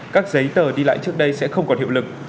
các giấy tờ đi lại trước đây sẽ không còn hiệu lực